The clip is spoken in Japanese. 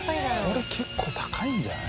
これ結構高いんじゃない？